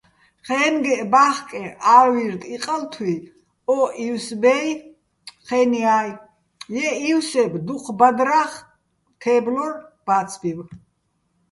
ჴე́ჼგეჸ ბა́ხკეჼ ა́ლვი́რდ-იყალთუი̆ ო ივსბე́ჲ, ჴე́ნიაჲ, ჲე́ ი́ვსებ დუჴ ბადრა́ხ თე́ბლორ ბა́ცბივ.